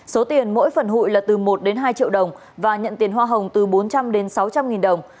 số tiền mỗi phần hụi là từ một đến hai triệu đồng và nhận tiền hoa hồng từ bốn trăm linh đến sáu trăm linh nghìn đồng